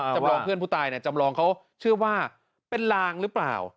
จำลองเพื่อนผู้ตายจำลองเขาเชื่อว่าเป็นลางหรือเปล่า